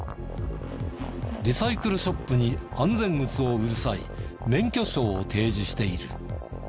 リサイクルショップに安全靴を売る際免許証を提示している。